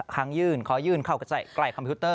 ครั้งยื่นขอยื่นเข้าใกล้คอมพิวเตอร์